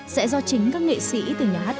sẽ do chính các nghệ sĩ từ nhà hát